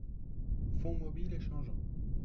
Fonds mobile et changeant.